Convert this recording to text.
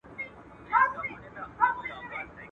o د زمري په خوله کي هم خېر غواړه.